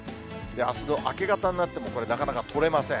あすの明け方になっても、これ、なかなか取れません。